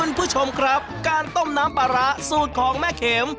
คุณผู้ชมครับการต้มน้ำปลาร้าสูตรของแม่เข็ม